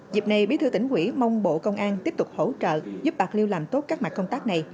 dịp này bí thư tỉnh ủy mong bộ công an tiếp tục hỗ trợ giúp bạc liêu làm tốt các mặt công tác này